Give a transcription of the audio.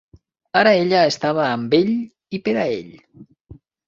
Ara ella estava amb ell i per a ell.